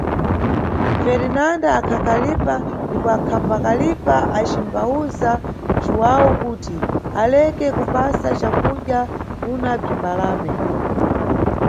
Ferinanda akhakalipa ndipo akhambakalipa acimbawuza Juwawu kuti aleke kupasa cakudya kuna bzimbalame.